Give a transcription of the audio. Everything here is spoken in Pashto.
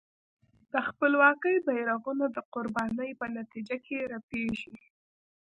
د خپلواکۍ بېرغونه د قربانۍ په نتیجه کې رپېږي.